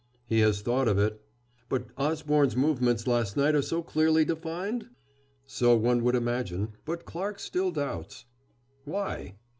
"He has thought of it!" "But Osborne's movements last night are so clearly defined?" "So one would imagine, but Clarke still doubts." "Why?"